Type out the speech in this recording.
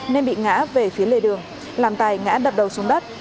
nên bị ngã về phía lề đường làm tài ngã đập đầu xuống đất